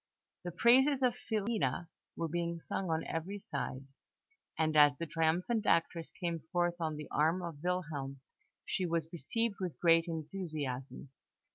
The praises of Filina were being sung on every side, and as the triumphant actress came forth on the arm of Wilhelm, she was received with great enthusiasm.